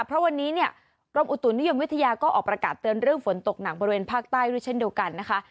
เพราะวันนี้เนี่ยกรมอุตุนิยมวิทยาก็ออกประกาศเตือนเรื่องฝนตกหนักบริเวณภาคใต้ด้วยเช่นเดียวกันนะคะ